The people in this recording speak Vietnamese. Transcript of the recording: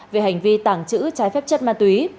về hành vi tàng trữ trái phép chất ma túy